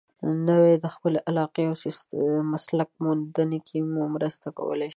نو د خپلې علاقې او مسلک موندلو کې مو مرسته کولای شي.